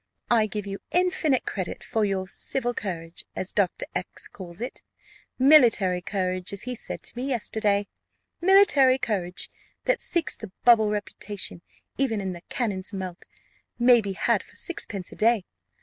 I give you infinite credit for your civil courage, as Dr. X calls it: military courage, as he said to me yesterday military courage, that seeks the bubble reputation even in the cannon's mouth, may be had for sixpence a day.